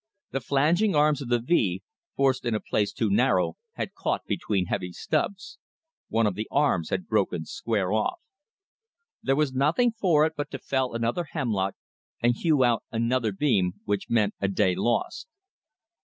The flanging arms of the V, forced in a place too narrow, had caught between heavy stubs. One of the arms had broken square off. There was nothing for it but to fell another hemlock and hew out another beam, which meant a day lost.